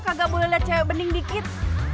kagak boleh liat cewek bening dikit